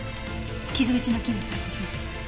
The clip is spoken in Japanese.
傷口の菌を採取します。